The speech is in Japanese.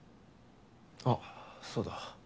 あっそうだ。